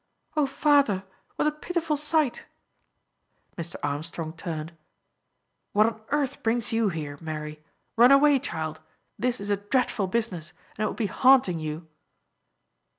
"Oh, father, what a pitiful sight!" Mr. Armstrong turned. "What on earth brings you here, Mary? Run away, child. This is a dreadful business, and it will be haunting you."